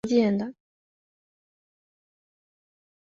斯盛居是中国浙江省诸暨市一座木结构民居建筑。